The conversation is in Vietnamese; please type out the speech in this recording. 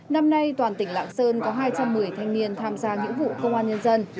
năm nay toàn tỉnh lạng sơn có hai trăm một mươi thanh niên tham gia nghĩa vụ công an nhân dân